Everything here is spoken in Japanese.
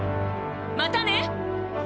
またね！